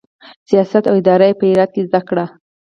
سیاست او اداره یې په هرات کې زده کړه.